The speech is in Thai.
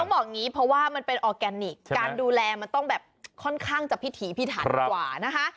บอกอย่างนี้เพราะว่ามันเป็นออร์แกนิคการดูแลมันต้องแบบค่อนข้างจะพิถีพิถันกว่านะคะ